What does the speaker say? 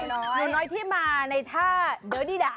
หนูน้อยที่มาในท่าเดอดี้ดา